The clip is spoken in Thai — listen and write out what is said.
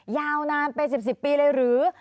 ยาวนานเป็น๑๐ปีเลยหรือ